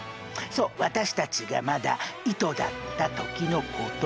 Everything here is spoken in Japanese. そう私たちがまだ糸だった時のことを。